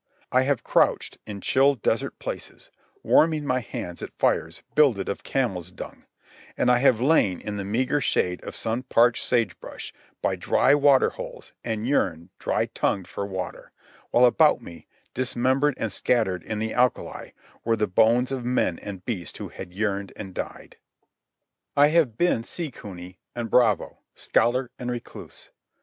I have crouched in chill desert places warming my hands at fires builded of camel's dung; and I have lain in the meagre shade of sun parched sage brush by dry water holes and yearned dry tongued for water, while about me, dismembered and scattered in the alkali, were the bones of men and beasts who had yearned and died. I have been sea cuny and bravo, scholar and recluse.